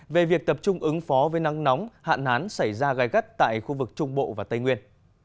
về việc tập trung ứng phó với nắng nóng hạn nán xảy ra gai gắt tại khu vực trung bộ và tây nguyên